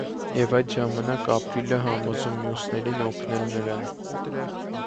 Եվ այդ ժամանակ ապրիլը համոզում մյուսներին օգնել նրան։